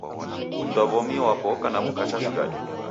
Mundu wa w'omi wapo oka na mka chashighadi